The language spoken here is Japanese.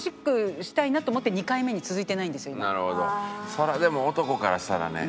それはでも男からしたらね